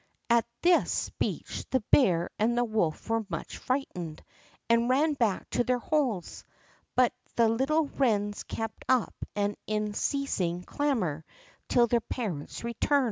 At this speech the bear and the wolf were much frightened, and ran back to their holes; but the little wrens kept up an unceasing clamor till their parents' return.